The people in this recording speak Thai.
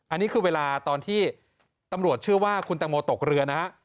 อันนี้คือเวลาตอนที่ตำรวจเชื่อว่าคุณตังโมตกเรือนะฮะ